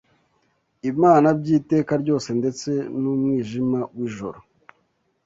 Imana by’iteka ryose ndetse n’umwijima w’ijoro